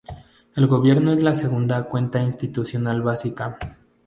El gobierno es la segunda cuenta institucional básica.